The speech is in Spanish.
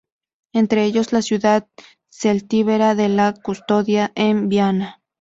Entre ellos, la ciudad celtíbera de La Custodia, en Viana.